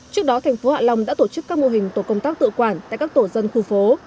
trước đó thành phố hạ long đã tổ chức các mô hình tổ công tác tự quản tại các tổ dân khu phố